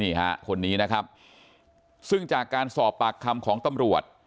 นี่ฮะคนนี้นะครับซึ่งจากการสอบปากคำของตำรวจ